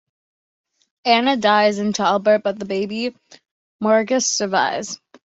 Ana dies in childbirth, but the baby, Morgause, survives.